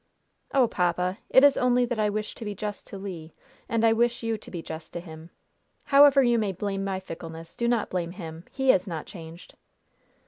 "Oh, papa! It is only that I wish to be just to Le! And I wish you to be just to him. However you may blame my fickleness, do not blame him; he has not changed!"